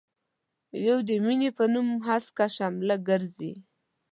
يو د مينې په نوم هسکه شمله ګرزي.